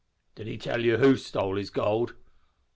"Did he tell you who stole his gold?"